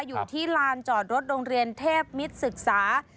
อยู่ที่ลานจอดรถโรงเรียนเทพมิตรศึกษา